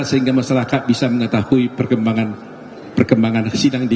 sehingga masyarakat bisa mengetahui perkembangan sidang